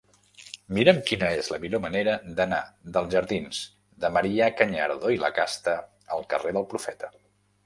Mira'm quina és la millor manera d'anar dels jardins de Marià Cañardo i Lacasta al carrer del Profeta.